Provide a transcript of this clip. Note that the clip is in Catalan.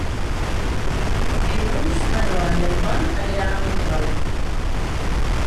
Dilluns na Noa i en Ton aniran a Montroi.